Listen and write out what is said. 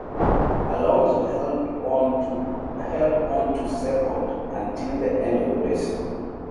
Alonso held onto second until the end of the race.